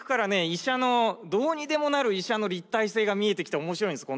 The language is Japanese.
医者のどうにでもなる医者の立体性が見えてきて面白いんです